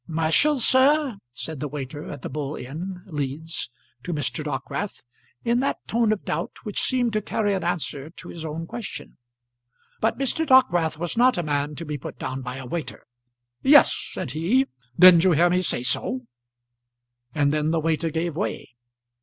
"'Mercial, sir?" said the waiter at The Bull Inn, Leeds, to Mr. Dockwrath, in that tone of doubt which seemed to carry an answer to his own question. But Mr. Dockwrath was not a man to be put down by a waiter. "Yes," said he. "Didn't you hear me say so?" And then the waiter gave way.